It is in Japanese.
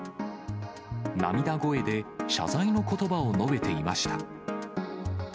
涙声で謝罪のことばを述べていました。